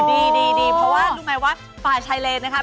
ดีเพราะว่าทุกคนรู้ไหมว่าป่าชายเลนนะครับ